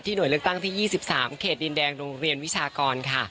หน่วยเลือกตั้งที่๒๓เขตดินแดงโรงเรียนวิชากรค่ะ